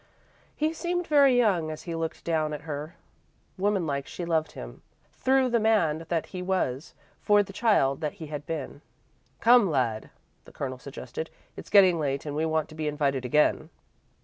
He seemed very young as he looked down at her. Woman like she loved him, through the man that he was, for the child that he had been. "Come, lad," the Colonel suggested, "it's getting late and we want to be invited again."